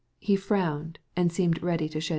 He frowned and seemed ready to cry.